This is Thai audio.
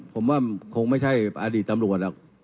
ผมว่าคงไม่ใช่อดีตตำรวจหรอก